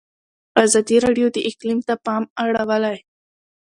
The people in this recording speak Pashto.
ازادي راډیو د اقلیم ته پام اړولی.